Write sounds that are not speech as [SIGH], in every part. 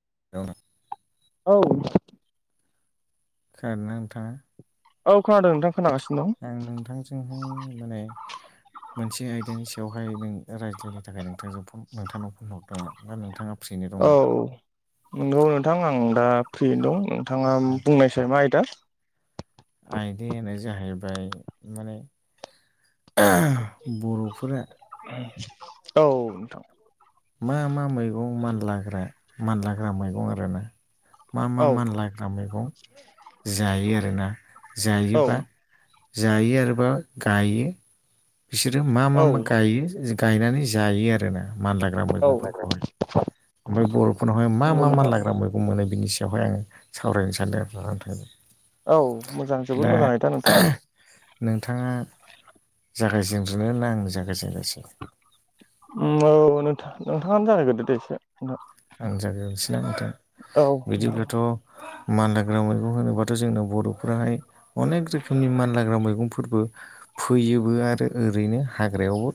[UNINTELLIGIBLE] औ खोनादों ना नोंथाङा? औ खोनादों नोंथां खोनागासिनो दं आं नोंथांजोंहाय माने मोनसे आयदानि सायावहाय नों रायज्लायनो थाखाय नोंथांजों फन नोंथांनाव फन हरदोंमोन ना नोंथाङा फ्रिना औ नंगौ नोंथां आं दा फ्रिनो दं नोंथाङा बुंनायसै मा आयदा आयदायानो जाहैबाय माने [UNINTELLIGIBLE] बर'फोरा औ नोंथां मा मा मैगं मानलाग्रा मानलाग्रा मैगं आर ना मा मा औ मानला्रा ब्रा मैगं जायो आरोना औ जायोबा जायो आरोबा गायो बिसोरो मा मा औ मा गायो गायनानै जायो आरोना मानलाग्रा औ मैगंफोरखौहाय ओमफ्राय बर'फोरनावहाय मा नंगौ मा नोंथां मानलाग्रा मै खम मोनो बिनि सायावहाय आङो सावरायनो सानदों आरोना नोंथां। औ मोजां जोबोर दा मोजां आयदा नोंथां। नोंथाङा जागायजेग्रोनो ना आं जागायजेनोसै ओम औ नोंथां नोंथाङानो जागायग्रोदो दे नोंथां। आंनो जागायग्रोनोसै ना नोंथां औ नोंथां बिदिब्लाथ' मानलाग्रा मैगं होनोबाथ' जोंना बर'फोराहाय अनेक रोखोमनि मानलाग्रा मैगंफोरबो फोयोबो आरो ओरैनो हाग्रायावबो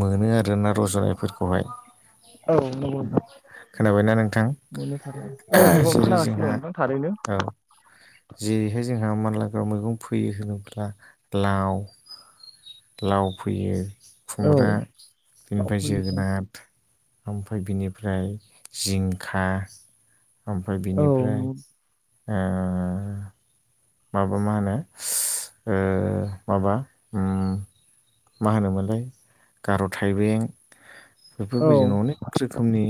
मोनो आरो ना रज'नायफोरखौहाय औ नोंगौ नोंथां खोनाबायना नोंथां? मोनो थार औ नोंगौ जेरै खोनागासिनो जोंहा दं नोंथां थारैनो औ जेरैहाय जोंहा मानलाग्रा मैगं फोयो होनोब्ला लाव लाव फोयो औ खुमब्रा औ बेनिफ्राय जोगोनार ओमफ्राय बिनिफ्राय जिंखा ओमफ्राय बिनिफ्राय ओ माबा मा होनो ओ माबा उम मा होनोमोनलाय गार' थाइबें औ बेफोरबायदि अ'नेक रोखोमनि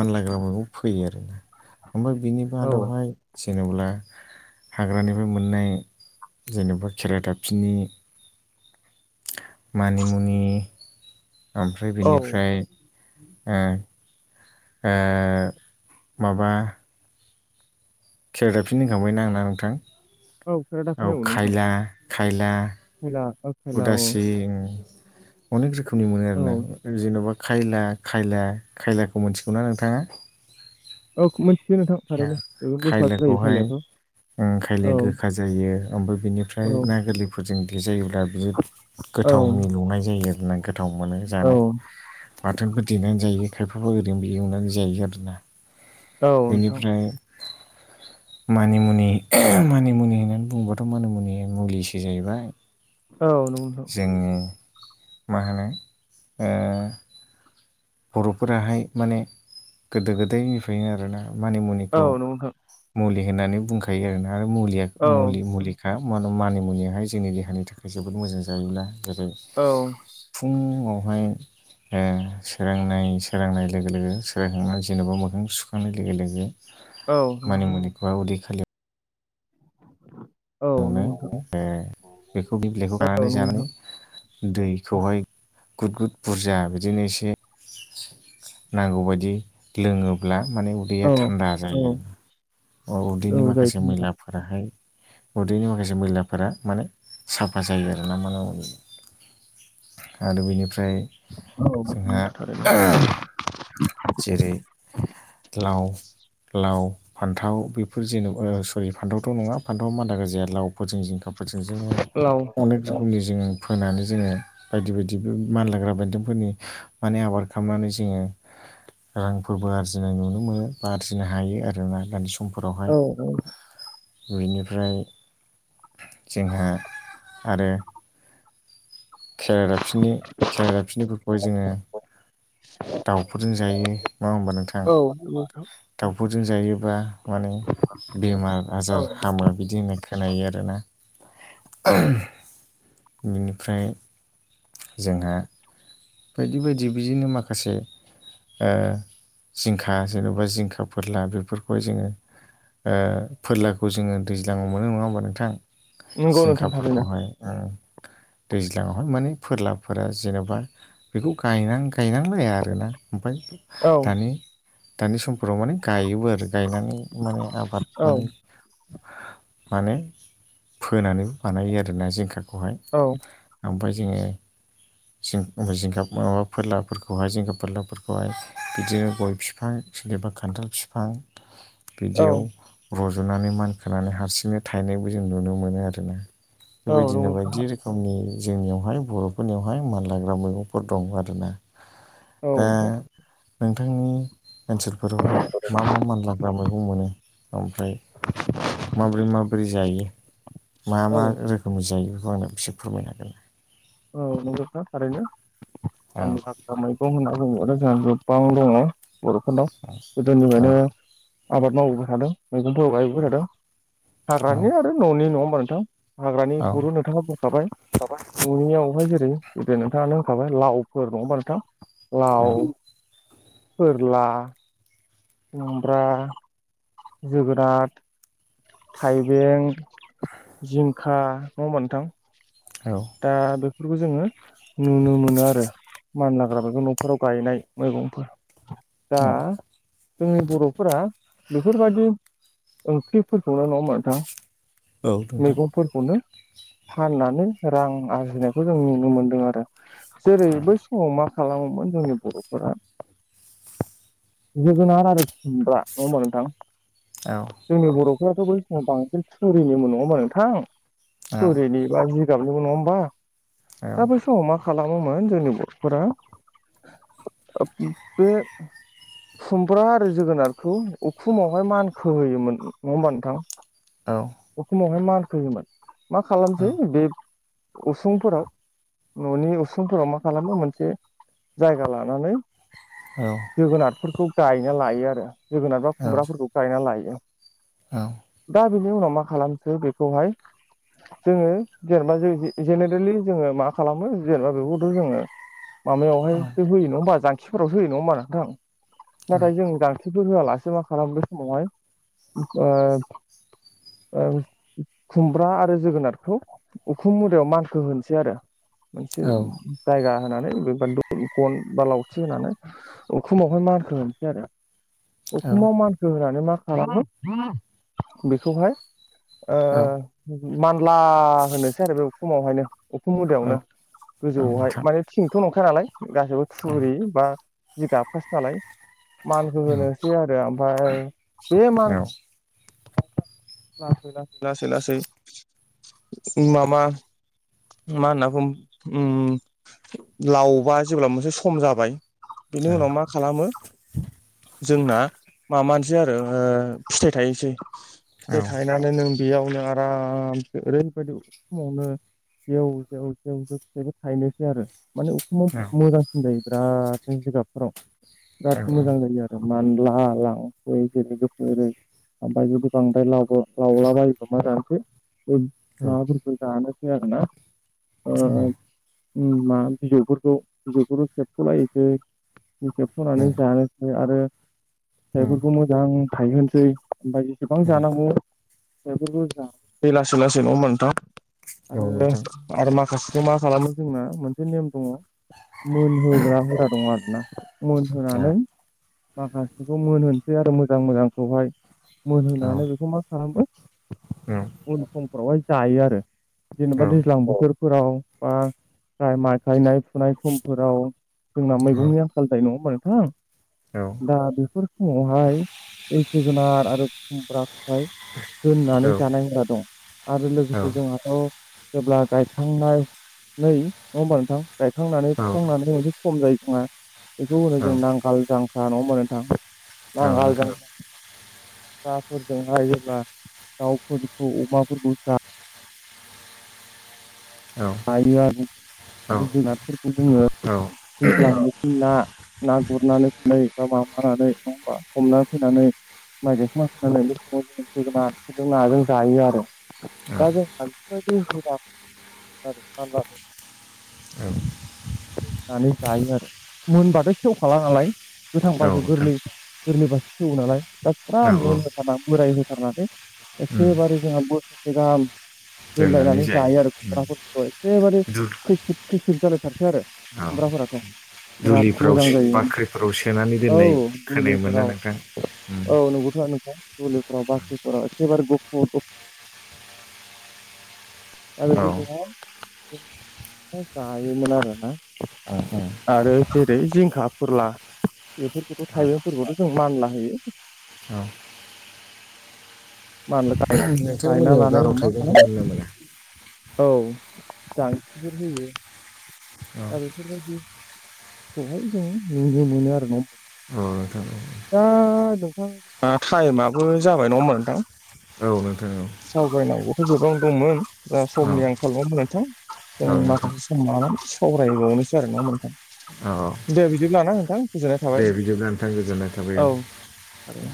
मानलाग्रा मैगं फोयो आरो ओमफ्राय बिनि औ मादावहाय जेनेब्ला हाग्रानि फ्राय मोननाय जेनेबा खेरा दाफिनि मानिमुनि ओमफ्राय औ बेनिफ्राय ओ ओ माबा केरा'दाफिनि होनखांबायना आं ना नोंथां औ खेरादाफिनि औ नोंथां खायला खायला [UNINTELLIGIBLE] औ उदासिं अनेक रोखोमनि मोनो आरोना औ जेन'बा खायला खायला खायलाखौ मिथिगौना नोंथाङा? औ मिथियो नों खायलाखौहाय उम औ खायलाया गोखा जा जायो ओमफ्राय बेनिफ्राय औ ना गोरलैफोरजों देेजायोब्ला बिराद औ गोथावनि मेलौनाय जायो नो गोथाव मोनो औ जानो बाथोनफोर देनानै जायो खायफाबा ओरैनोबो एवनानै जायो आरोना औ नोंथां बेनिफ्राय मानिमुनि मानिमुनि होननानै बुङोबाथ' मानिमुनिआ मुलिसो जाहैबाय औ नंगौ जोंनि मा होनो ओ बर'फोराहाय माने गोदो गोदायनिफ्रायनो आरोना मानि औ मुनिखौ नंगौ नोंथां मुलि होननानै बुंखायो आरोना आरो मुलिया औ मुलि मुलि खा मानु-मानि मुनिआहाय जोंनि देहानि थाखाय जोबोद मोजां जायोब्ला जेरै औ फुङावहाय ओ सोरांनाय सोरांनाय लोगो लोगो सोरांखांनानै जेन'बा मैगं सुखांनाय लोगो लोगो औ मानि नोंथां मुनिखौहाय उदै खालियाव औ नोंगौ नोंथां ए बेखौ बि बिलाइखौ औ खानानै नंगौ नोंथां जानानै दैखौहाय गुद गुद बुरजा बिदिनो एसे नांगौबायायदि लोङोब्ला माने उदैया थान्दा औ जायो औ औ उदैनि माखासे मैलाफोराहाय उदैनि माखासे मैलाफोरा माने साफा जायो आरोना माने आरो बेनिफ्राय जोंहा नोंथां औ थारैनो जेरै लाव लाव फान्थाव बेफोर जेन'बा ओ सरि फान्थावथ' नङा फान्थाव मानदा गाजाया लाव फोरजों जिंखाफोरजों जोङो औ अनेक औ रोखोमनि जोङो फोनानै जोङो बायदि बायदिबो मानलाग्रा बेनदोंफोरनि माने आबाद खामनानै जोङो रांफोरबो आरजिनाय नुनो मोनो बा आरजिनो हायो आरो ना दानि समाव समफोरावहाय औ बिनिफ्राय जोंहा आरो खेरा दाफिनि खेरा दाफिनिफोरखौहाय जोङो दाउफोरजों जायो नङा होमबा नोंथां? औ नोंथां दाउफोरजों जायोब्ला माने बेमार औ आजार हामो बिदि होननाय खोनायो आरोना इनिफ्राय जोंहा बायदि बायदि बिदिनो माखासे ओ जिंखा जेन'बा जिंखा फोरला बेफोरखौहाय जोङो ओ फोरलाखौ जोङो दैज्लाङाव मोनो नङा होमबा नोंथां? नंगौ नोंथां थारैनो जिंखाफोरखौहाय उम ज्लांआवहाय माने फोरलाफोरा जेनेबा बेखौ गाय-गायनांलाया आरोना ओमफाय औ दानि दानि समफोराव माने गायोबो आरो गायनानै माने आबाद औ माने माने फोनानैबो बानायो आरोना जिंखाखौहाय। औ ओमफाय जोङो जिं माबा फोरलाफोरखौहाय जिंखा फोरलाफोरखौहाय बिदिनो गय बिफां सोरनिबा खान्थाल फिफां बिदियाव औ रज'नानै मानखोनानै हारसिंनो थायनायबो जों नुनो मोनो आरोना। नंगौ बेबायदिनो नोंथां बायदि रोखोमनि जोंनियावहाय बर'फोरनियावहाय मानलाग्रा मैगंफोर दं आरोना। औ दा नोंथां नोंथांनि ओनसोलफोरावहाय मा मा मानलाग्रा मैगं मोनो ओमफ्राय माबोरै माबोरै जायो मा मा औ रोखोमनि जायो बेखौ आंनो एसे फोरमायनो हागोन औ नंगौ नोंथां थारैनो औ मैगं होनना बुंङोब्लाथ' जोंहा गोबां दङ बर'फोरनाव औ गोदोनिफायनो आबाद मावबोबाय थादों मैगंफोर गायबोबाय थादों औ हाग्रानि आरो न'नि नङा होमबा नोंथां? औ हाग्रानिखौथ' नोंथाङा बुंखाबाय। [UNINTELLIGIBLE] न'नियावहाय जेरै जे नोंथाङानो होनखाबाय लावफोर नङा होमबा नोंथां लाव फोरला खुमब्रा जोगोनाद। थाइबें जिंखा नङा होमबा नोंथां औ दा बेफोरखौ जोङो नुनो मोनो आरो। मानलाग्रा मैगं न'फोराव गायनाय मैगंफोर औ दा जोंनि बर'फोरा बेफोरबायदि ओंख्रिफोरखौल नङा होमबा नोंथां? औ नोंथां मैगंफोरखौनो फाननानै रां आरजिनायखौ जों नुनो मोनदों आरो औ जेरैबो फुंआव मा खालामोमोन जोंनि बर'फोरा जोगोनार आरो खुमब्रा नङा होमबा नोंथां औ जोंनि बर'फ्राथ' बैसिना बांसिन थुरिनिमोन नङा होमबा नोंथां औ थुरिनि बा जिगाबनिबो नङा होमबा औ दा सम मा खालामोमोन जोंनि बरथ'फोरा बे खुमब्रा आरो जोगोनारखौ उखुमावहाय मानखो होोयोमोन नङा होमबा नोंथां औ उखुमावहाय मान फैयोमोन मा औ खालामसै बे उसुंफोराव न'नि उसुंफोराव मा खालामो मोनसे जायगा लानानै औ जोगोनारफोरखौ गायना लायो आरो जोगोनार बा नोंथां खुमब्राफोरखौ गायना लायो औ औ दा बिनि उनाव मा खालामसो बेखौहाय जोङो जेनेबा जों जेनेरेलि जोङो मा खालामो जेनेबा बेखौथ' जोङो औ माबायावहायस होयोङा होनबा जखिफोरावो होयो नङा होनबा नोंथां नाथाय जों दांखलिफोर होआलासे मा खालाम बे समावहाय ओ खुमब्रा आरो जोगोनारखौ उखुम मुदायाव मानखौ होनोसै आरो मोनसे औ नोंथां जायगा होनानैबा गन बा लावथि होनानै उखुमाव मानखो होनसै आरो औ असाव मान होनानै मा खालामो बेखौहाय औ ओ मानला होनोसै आरो बे उखुमावहायनो उखुम औ नोंथां औ हुदायावनो औ नोंथां गोजौआवहाय माने थिंथ' नंखानालाय गासैबो थुरि बा जिगाबखासो नालाय मानखौ होनोसै आरो ओमफ्राय बे मान लासै लासै लासै लासै माबा मा होनना ओम लावबा जेब्ला मोनसे सम जाबाय बेनि उनाव मा खालामो जोंना माबानोसै आरो फिथाइ थायसै फिथाइ थाय माने नों बेयावनो आरामसे ओरैबायदि समावनो जेव जेव जेव ज फिबो थायनोसै आरो माने अखुमाव मोजांसिन जायो बिराद जिगाबफोराव बिराद मोजां जायो आरो मानला लांफै जेरै लोगोफोरै ओमफ्राय जुदि बांद्राय लावबो लावलाबायोब मा जानोसै बे नाबफोरखौ जानाखानो ओ मा बिजौफोरखौ बिजौखौ खेबथ'लायसै खेबस'नानै जानोसै आरो फिथाइफोरखौ मोजां थायहोनोसै ओमफाय एसेबां जानांगौ बेफोरखौ जा लासै लासै नङा होमबा नोथां आरो आर माखासेखौ मा खालामो जोंना मोनसे नेम दङ मोनहोग्रा हुदा दङ आरोना मोनहोनानै माखासेखौ मोनहोनोसै आरो मोजां मोजांखौहाय मोनहोनानै बेखौ मा खालामबाय [INAUDIBLE] उन समफ्रावहाय जायो आरो जेनेबा दैज्लां बोथोर फोराव बा जाय माइ गायनाय फुनाय समफोराव जोंना मैगंनिया सालथाय नङाोमबा नोंथां औ दा बेफोर समावहाय जोगोनार आरो खुमब्राखौहाय दोननानै जानाय मुवा दं आरो लोगोसे जोंहा औ जेब्ला गायखांनानै नङा होमबा नोंथां गायखांनानै फुखांनानै मोनसे सम जायो खङा बेखौ होनो जों नांगाल जांख्रा न' मोनोोंथां नांगाल जां जाफोरजों हायोब्ला दाउफोरखौ अमाफोरखौ जा यो आरो आरो जुनारफोरखौ जोङो दैज्लां बोथोर ना ना गुरनानै फैनानै बा माबानानै नङा होमबा हमनानै फैनानै माइ गायखांबा [UNINTELLIGIBLE] जोगोनारजों नाजों जायो आरो दा जोंहा बेफोरबादि [UNINTELLIGIBLE] [INAUDIBLE] [INAUDIBLE] नानै जायो आरो मोनबाथ' सेवखाला नालाय गोथांबासो गोरलै गोरलै बासो सेवो नालाय दा फुरा औ औ मोनहथारना बोराय होथारनानै उम एखेबारे जोंहा बोसोरसे गाहाम दोननानै दोनलायनानै जायो आरो उम खुमब्राफोरखौ औ एखेबारे दु खैसिब खैसिब जालायथारसै आरो औ खुमब्राफोराथ' बिराद दुलिफ्राव मोजां सो जायोमोन बाख्रिफ्राव सोनानै औ दोननाय खोनायोमोन ना मुलिफोराव नोंथां उम औ नंगौथ' नोंथां दुलिफोराव बाख्रिफोराव एखेबार दा औ बेफोरखौहाय जायोमोन आरोना [INAUDIBLE] आरो जेरै जिंखा फोरला बेफोरखौथ' औ थाइबेंफोरखौथ' जों मानला होयो औ [UNINTELLIGIBLE] गायना नोंथांमोननियाव लानाय गार' अमा थाइबेंखौ खानाय मोनो ना मोना? औ जांसिफोर होयो औ दा बेफोरबायदिखौहाय जों नुनो मोनो आरोना [UNINTELLIGIBLE] औ नोंथां दा नोंथां टाइमाबो जाबाय नङा होमबा नोंथां? औ नोंथां औ सावरायनांगौथ' गोबां दंमोन दा औ समनि आंखाल नङा होमबा नोंथां जों औ नोंथां माखासे सम लानानै सावरायबावनोसो आरोना नोंथां औ औ दे बिदिब्ला ना नोंथां गोजोननाय थाबाय। दे [UNINTELLIGIBLE] गोजोननाय औ आरो